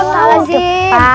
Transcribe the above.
oh tahun depan